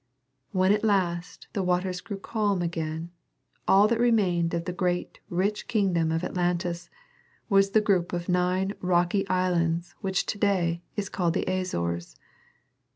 When at last the waters grew calm again all that remained of the great rich kingdom of Atlantis was the group of nine rocky islands which to day is called the Azores.